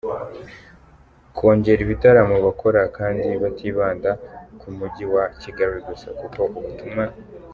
kongera ibitaramo bakora kandi batibanda ku mujyi wa Kigali gusa, kuko ubutumwa.